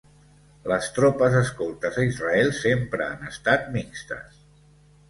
Les tropes escoltes a Israel sempre han estat mixtes.